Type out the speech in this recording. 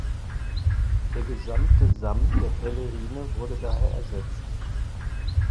Der gesamte Samt der Pelerine wurde daher ersetzt.